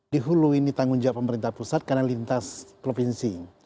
di hulu ini tanggung jawab pemerintah pusat karena lintas provinsi